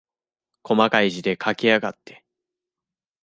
こまかい字で書きやがって。